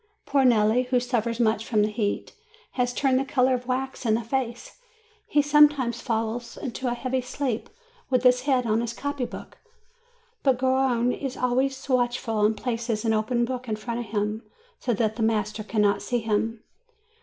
Poor Nelli, who suffers much from the heat, has turned the color of wax in the face ; he sometimes falls into a heavy sleep, with his head on his copy book. But Garrone is always watchful, and places an open book in front of him, so that the master can not see him.